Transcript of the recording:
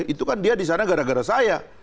itu kan dia di sana gara gara saya